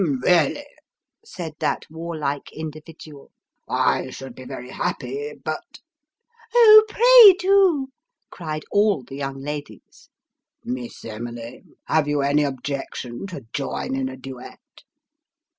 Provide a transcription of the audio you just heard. " Eeally," said that warlike individual, " I should be very happy, but "" Oh ! pray do," cried all the young ladies. " Miss Sophia, have you any objection to join in a duet.